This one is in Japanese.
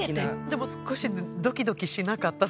でも少しドキドキしなかった？